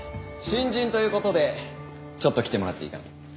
新人という事でちょっと来てもらっていいかな。